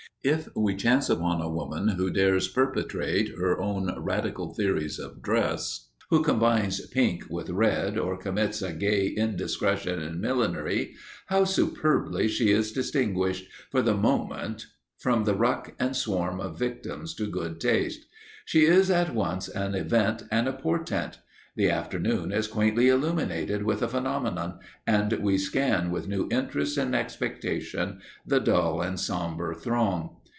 If we chance upon a woman who dares perpetrate her own radical theories of dress, who combines pink with red, or commits a gay indiscretion in millinery, how superbly she is distinguished, for the moment, from the ruck and swarm of victims to good taste! She is at once an event and a portent. The afternoon is quaintly illuminated with a phenomenon, and we scan with new interest and expectation the dull and sombre throng.